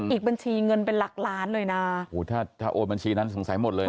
อีกบัญชีเงินเป็นหลักล้านเลยนะโอ้ถ้าถ้าโอนบัญชีนั้นสงสัยหมดเลย